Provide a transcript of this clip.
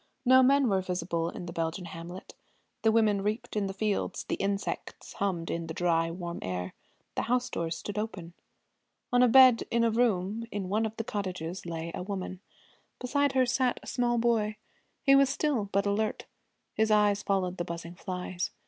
No men were visible in the Belgian hamlet. The women reaped in the fields; the insects hummed in the dry warm air; the house doors stood open. On a bed in a room in one of the cottages lay a woman. Beside her sat a small boy. He was still, but alert. His eyes followed the buzzing flies.